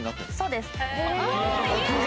そうです。